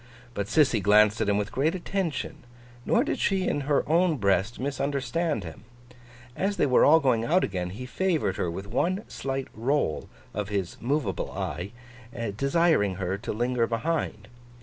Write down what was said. But, Sissy glanced at him with great attention; nor did she in her own breast misunderstand him. As they were all going out again, he favoured her with one slight roll of his movable eye, desiring her to linger behind.